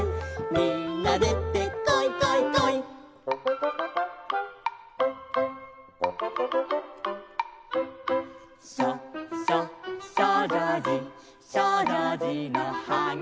「みんなでてこいこいこい」「しょしょしょうじょうじ」「しょうじょうじのはぎは」